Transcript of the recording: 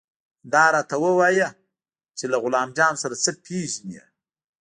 دا راته ووايه چې له غلام جان سره څه پېژنې.